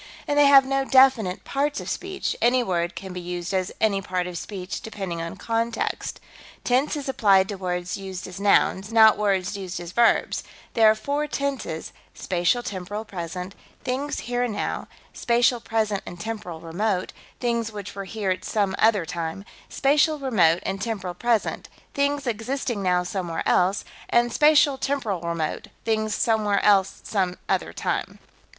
And they have no definite parts of speech; any word can be used as any part of speech, depending on context. Tense is applied to words used as nouns, not words used as verbs; there are four tenses spatial temporal present, things here and now; spatial present and temporal remote, things which were here at some other time; spatial remote and temporal present, things existing now somewhere else, and spatial temporal remote, things somewhere else some other time."